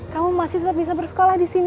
kamu masih tetep bisa bersekolah disini